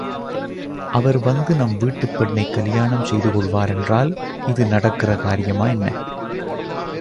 அவர் வந்து நம் வீட்டுப் பெண்ணைக் கலியாணம் செய்து கொள்வாரென்றால், இது நடக்கிற காரியமா என்ன?